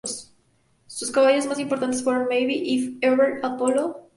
Sus caballos más importantes fueron Maybe, If Ever, Apollo, St.